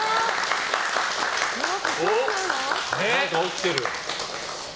何か起きてる。